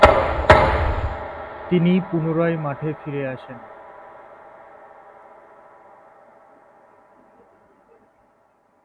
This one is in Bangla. তিনি পুনরায় মাঠে ফিরে আসেন।